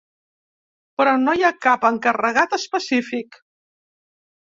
Però no hi ha cap encarregat específic.